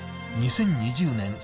２０２０年